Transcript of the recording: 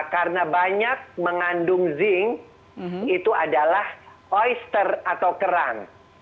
karena banyak mengandung zinc itu adalah oyster atau kerang